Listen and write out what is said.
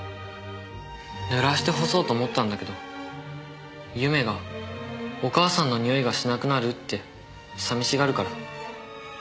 濡らして干そうと思ったんだけど祐芽が「お母さんのにおいがしなくなる」って寂しがるから。